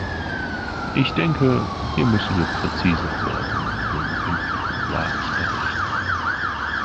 Ich denke, hier müssen wir präziser werden in den künftigen Jahresberichten.